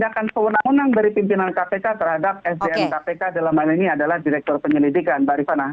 tindakan kewenangan dari pimpinan kpk terhadap sdn kpk dalam hal ini adalah direktur penyelidikan mbak rifana